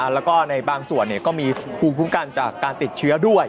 แล้วก็ในบางส่วนก็มีภูมิคุ้มกันจากการติดเชื้อด้วย